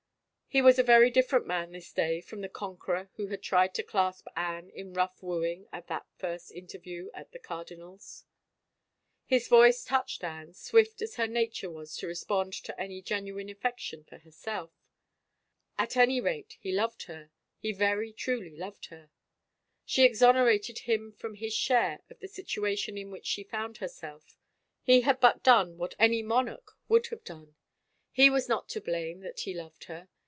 He was a very different man this day from the conqueror who had tried to clasp Anne in rough wooing at that first interview at the cardinal's. His voice touched Anne, swift as her nature was to respond to any genuine affection for herself. At any rate he loved her, he very truly loved her. She exon erated him from his share of the situation in which she foimd herself — he had but done what any man, any io6 "Anne— Sweetheart!' he said." A VISION OF A CROWN monarch, would have done. He was not to blame that he loved her.